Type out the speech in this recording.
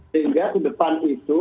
sehingga kedepan itu